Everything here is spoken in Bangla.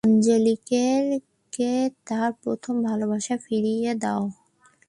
আঞ্জলিকে তার প্রথম ভালোবাসা ফিরিয়ে দাও।